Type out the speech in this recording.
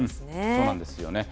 そうなんですよね。